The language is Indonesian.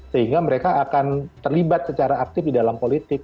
sehingga mereka akan terlibat secara aktif di dalam politik